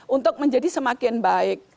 untuk menjadi semakin baik